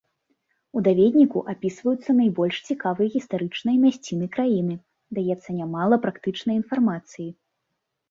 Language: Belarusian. У даведніку апісваюцца найбольш цікавыя гістарычныя мясціны краіны, даецца нямала практычнай інфармацыі.